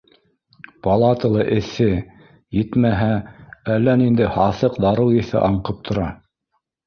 Палатала эҫе, етмәһә, әллә ниндәй һаҫыҡ дарыу еҫе аңҡып тора.